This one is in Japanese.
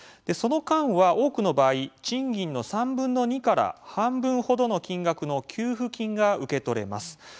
その間は、多くの場合賃金の３分の２から半分ほどの金額の給付金が受け取れます。